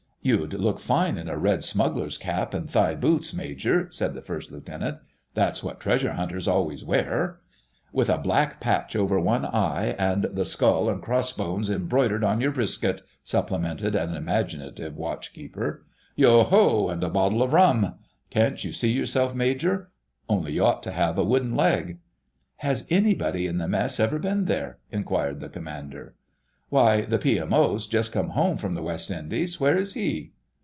"You'd look fine in a red smuggler's cap and thigh boots, Major," said the First Lieutenant. "That's what treasure hunters always wear." "With a black patch over one eye, and the skull and cross bones embroidered on your brisket," supplemented an imaginative Watch keeper. "'Yo! ho! and a bottle of rum!'—can't you see yourself, Major? Only you ought to have a wooden leg." "Has anybody in the Mess ever been there?" inquired the Commander. "Why, the P.M.O.'s just come home from the West Indies; where is he?"